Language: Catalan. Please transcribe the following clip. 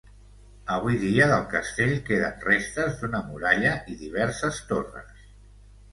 Avui dia del castell queden restes d'una muralla i diverses torres.